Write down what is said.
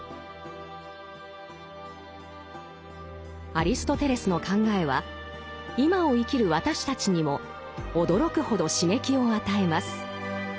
アリストテレスの考えは今を生きる私たちにも驚くほど刺激を与えます。